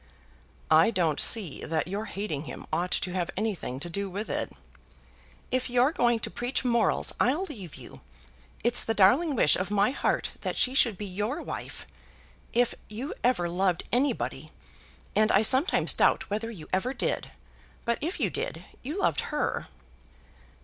"I don't see that your hating him ought to have anything to do with it." "If you're going to preach morals, I'll leave you. It's the darling wish of my heart that she should be your wife. If you ever loved anybody, and I sometimes doubt whether you ever did, but if you did, you loved her."